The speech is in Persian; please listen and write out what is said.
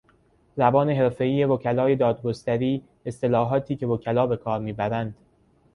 زبان حرفهای وکلای دادگستری، اصطلاحاتی که وکلا به کار میبرند